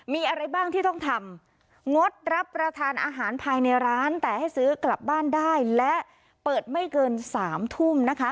มีอะไรบ้างที่ต้องทำงดรับประทานอาหารภายในร้านแต่ให้ซื้อกลับบ้านได้และเปิดไม่เกิน๓ทุ่มนะคะ